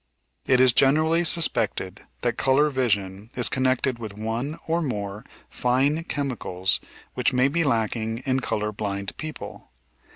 It is generally suspected that coloiu' vision is connected with one or more fine chemicals which may be lacking in "colour blind" people.